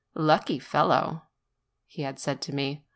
"Lucky fellow!" he had said to me.